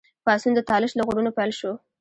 پاڅون د طالش له غرونو پیل شو.